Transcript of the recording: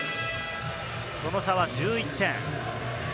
その差は１１点。